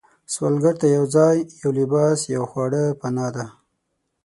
سوالګر ته یو ځای، یو لباس، یو خواړه پناه ده